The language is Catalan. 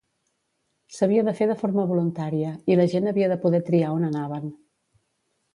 S'havia de fer de forma voluntària, i la gent havia de poder triar on anaven.